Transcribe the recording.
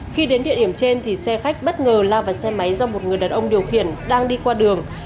khi đến địa điểm trên xe khách bất ngờ lao vào xe máy do một người đàn ông điều khiển đang đi qua đường